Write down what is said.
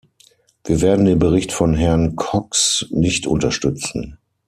Wir werden den Bericht von Herrn Cox nicht unterstützen.